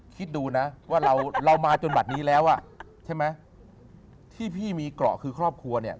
คิดดูนะว่าเราเรามาจนบัตรนี้แล้วอ่ะใช่ไหมที่พี่มีเกราะคือครอบครัวเนี่ย